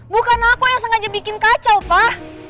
bukan aku yang sengaja bikin kacau pak